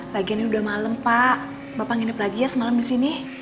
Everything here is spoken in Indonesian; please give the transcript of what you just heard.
pagi ini udah malam pak bapak nginep lagi ya semalam di sini